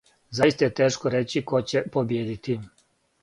"Заиста је тешко рећи ко ће побиједити.